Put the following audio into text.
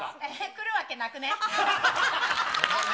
来るわけなくね？